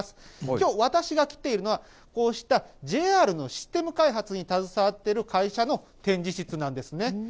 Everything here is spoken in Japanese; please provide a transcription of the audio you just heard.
きょう、私が来ているのは、こうしたＪＲのシステム開発に携わっている会社の展示室なんですね。